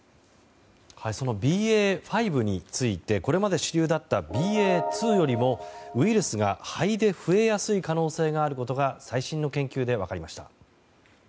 そのＢＡ．５についてこれまで主流だったＢＡ．２よりもウイルスが肺で増えやすい可能性があることが最新の研究で分かりました。